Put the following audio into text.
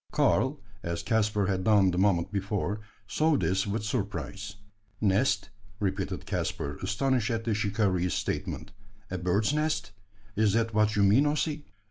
Karl, as Caspar had done the moment before, saw this with surprise. "Nest?" repeated Caspar, astonished at the shikaree's statement. "A bird's nest? Is that what you mean, Ossy?"